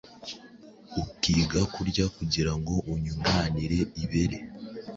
ukiga kurya kugira ngo yunganire ibere.